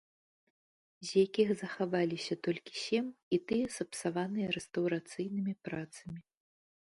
З якіх захаваліся толькі сем, і тыя сапсаваныя рэстаўрацыйнымі працамі.